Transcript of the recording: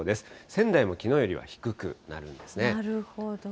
仙台もきのうよりは低くなるんでなるほど。